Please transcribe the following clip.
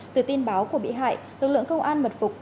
từ tin báo của bị hại lực lượng công an mật phục